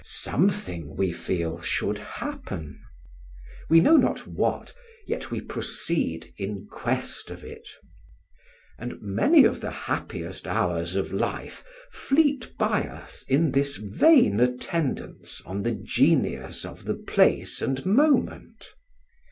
Something, we feel, should happen; we know not what, yet we proceed in quest of it. And many of the happiest hours of life fleet by us in this vain attendance on the genius of the place and moment.